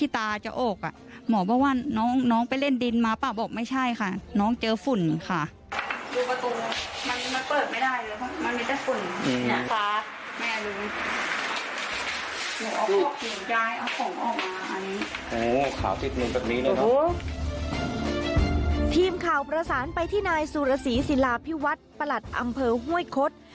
ทีมข่าวประสานไปที่นายสุรสีศิลาพิวัฒน์ประหลัดอำเภอห้วยคด